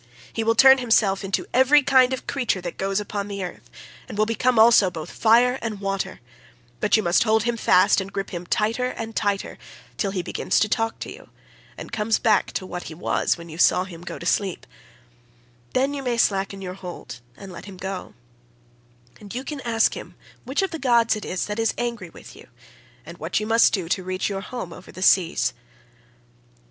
He will turn himself into every kind of creature that goes upon the earth, and will become also both fire and water; but you must hold him fast and grip him tighter and tighter, till he begins to talk to you and comes back to what he was when you saw him go to sleep; then you may slacken your hold and let him go; and you can ask him which of the gods it is that is angry with you, and what you must do to reach your home over the seas.